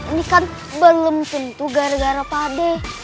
ini kan belum tentu gara gara pak de